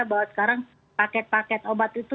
bahwa sekarang paket paket obat itu